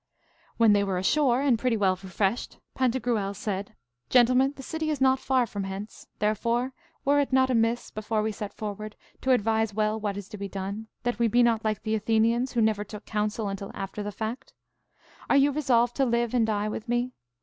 When they were ashore, and pretty well refreshed, Pantagruel said, Gentlemen, the city is not far from hence; therefore, were it not amiss, before we set forward, to advise well what is to be done, that we be not like the Athenians, who never took counsel until after the fact? Are you resolved to live and die with me?